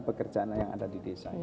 pekerjaan yang ada di desa